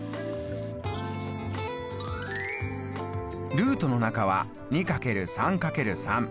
ルートの中は２×３×３。